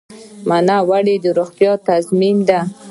مڼه ولې د روغتیا تضمین ده؟